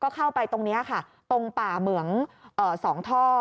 เข้าไปตรงนี้ค่ะตรงป่าเหมือง๒ท่อ